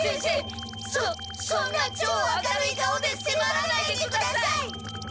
そそんなちょう明るい顔でせまらないでください！